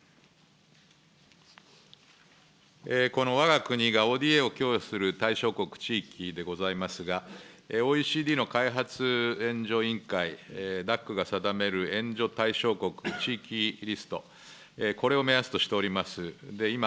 このわが国がＯＤＡを供与する対象国、地域でございますが、ＯＥＣＤの開発援助委員会・が定める援助対象国地域リスト、これを目安としております。